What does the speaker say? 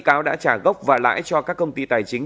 cáo đã trả góp và lãi cho các công ty tài chính